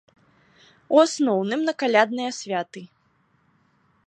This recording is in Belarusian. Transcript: У асноўным на калядныя святы.